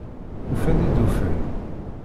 Ufan-d i d-ufan…